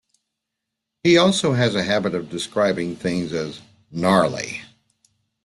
He also has a habit of describing things as "gnarly".